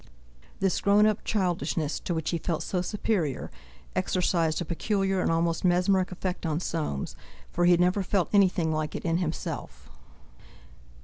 This grown up childishness, to which he felt so superior, exercised a peculiar and almost mesmeric effect on Soames, for he had never felt anything like it in himself.